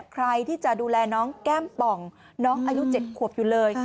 ใครที่จะดูแลน้องแก้มป่องน้องอายุ๗ขวบอยู่เลย